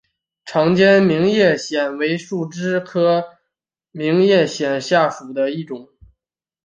长尖明叶藓为树生藓科明叶藓属下的一个种。